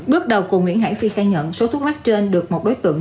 bước đầu cụ nguyễn hải phi khai nhận số thuốc lắc trên được một đối tượng